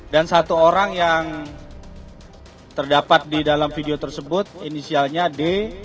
dan satu orang yang terdapat di dalam video tersebut inisialnya d